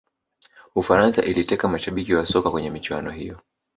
ufaransa iliteka mashabiki wa soka kwenye michuano hiyo